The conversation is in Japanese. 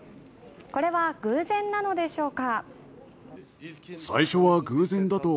これは偶然なのでしょうか。